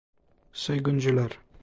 Soyguncular!